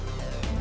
makan dulu siap